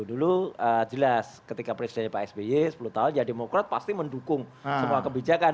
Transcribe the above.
dulu jelas ketika presidennya pak sby sepuluh tahun ya demokrat pasti mendukung semua kebijakan